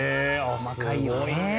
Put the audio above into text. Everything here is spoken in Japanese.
細かいよね。